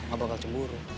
ga bakal cemburu